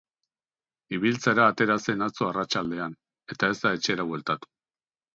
Ibiltzera atera zen atzo arratsaldean, eta ez da etxera bueltatu.